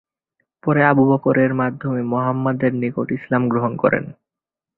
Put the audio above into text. পরে আবু বকরের মাধ্যমে মুহাম্মাদের নিকট ইসলাম গ্রহণ করে।